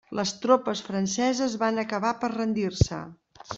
Les tropes franceses van acabar per rendir-se.